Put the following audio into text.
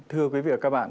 thưa quý vị và các bạn